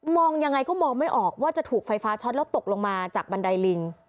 ยังไงก็มองไม่ออกว่าจะถูกไฟฟ้าช็อตแล้วตกลงมาจากบันไดลิง